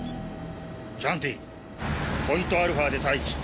キャンティポイントアルファで待機。